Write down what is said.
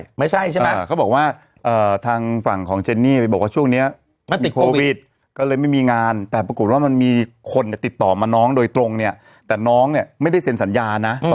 ไม่ใช่ใช่ไหมเขาบอกว่าทางฝั่งของเจนนี่ไปบอกว่าช่วงนี้มันติดโควิดก็เลยไม่มีงานแต่ปรากฏว่ามันมีคนเนี่ยติดต่อมาน้องโดยตรงเนี่ยแต่น้องเนี่ยไม่ได้เซ็นสัญญานะ